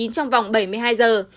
trong vòng bảy mươi hai giờ